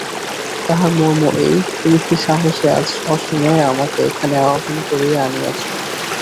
তাহার মর্ম এই, তুমি কী সাহসে আজ অসময়ে আমাকে এখানে আহ্বান করিয়া আনিয়াছ।